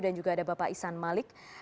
dan juga ada bapak isan malik